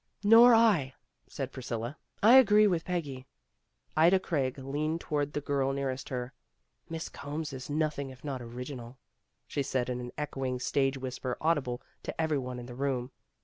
"Nor I," said Priscilla. "I agree with Peggy." Ida Craig leaned toward the girl nearest her. "Miss Combs is nothing if not original," she said in an echoing stage whisper audible to every one in the room.